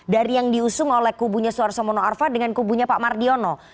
dari yang diusung oleh kubunya suarso mono arfa dengan kubunya pak mardiono